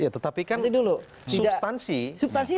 tetapi kan substansi